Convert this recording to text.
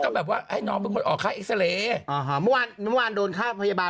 เรื่องกับที่มันไม่เป็นเคยเกิดขึ้น